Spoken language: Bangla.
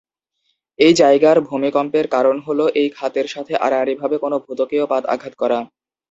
এই জায়গার ভূমিকম্পের কারণ হলো এই খাতের সাথে আড়াআড়িভাবে কোনো ভূত্বকীয় পাত আঘাত করা।